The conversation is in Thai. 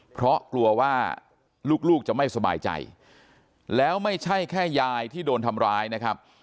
เพราะกลัวว่าลูกจะไม่สบายใจแล้วไม่ใช่แค่ยายที่โดนทำร้ายนะครับ